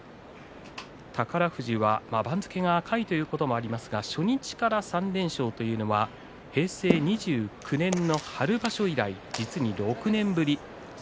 宝富士は番付が下位ということもありますが初日から３連勝というのは平成２９年の春場所以来実に６年ぶりです。